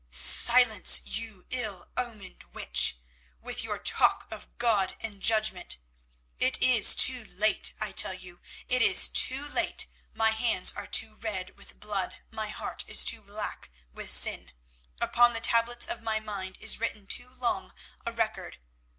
"Silence, you ill omened witch, with your talk of God and judgment. It is too late, I tell you, it is too late; my hands are too red with blood, my heart is too black with sin, upon the tablets of my mind is written too long a record.